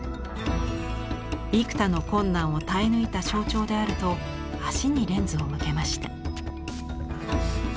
幾多の困難を耐え抜いた象徴であると足にレンズを向けました。